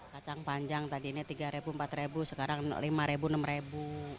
kacang panjang tadi ini rp tiga rp empat sekarang rp lima rp enam